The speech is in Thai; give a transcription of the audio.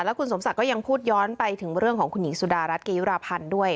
คุณสมศักดิ์ก็ยังพูดย้อนไปถึงเรื่องของคุณหญิงสุดารัฐเกยุราพันธ์ด้วย